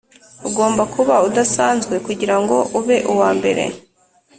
ugomba kuba udasanzwe kugirango ube uwambere.